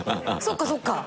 そっかそっか。